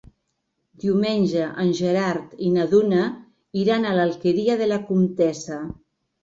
Diumenge en Gerard i na Duna iran a l'Alqueria de la Comtessa.